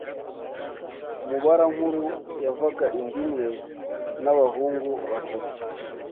umubarankuru yavaga inda imwe nabahungu batatu